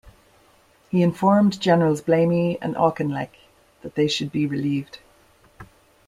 He informed Generals Blamey and Auchinleck that they should be relieved.